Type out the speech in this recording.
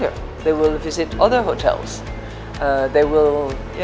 mereka akan mengunjungi hotel lainnya